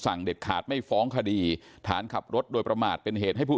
เด็ดขาดไม่ฟ้องคดีฐานขับรถโดยประมาทเป็นเหตุให้ผู้